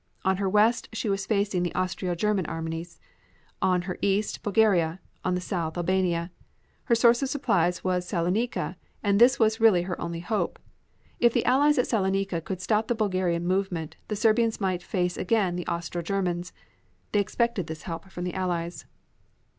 On her west she was facing the Austro German armies; on her east Bulgaria; on the south Albania. Her source of supplies was Saloniki and this was really her only hope. If the Allies at Saloniki could stop the Bulgarian movement, the Serbians might face again the Austro Germans. They expected this help from the Allies.